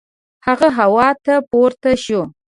هغه هوا ته پورته شو.